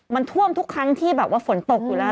มันท่วมทุกครั้งที่แบบว่าฝนตกอยู่แล้ว